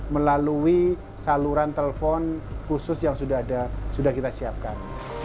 melalui saluran telepon khusus yang sudah kita siapkan